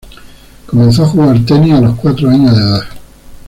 Comenzó a jugar tenis a los cuatro años de edad.